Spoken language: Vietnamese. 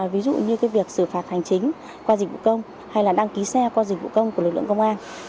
ví dụ như việc xử phạt hành chính qua dịch vụ công hay là đăng ký xe qua dịch vụ công của lực lượng công an